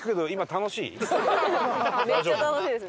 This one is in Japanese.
めっちゃ楽しいです。